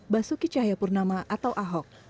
basuki cahapurnama atau ahok